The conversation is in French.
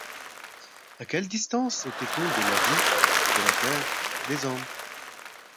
À quelle distance était-on de la vie, de la terre, des hommes?